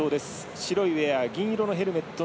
白いウェア、銀色のヘルメット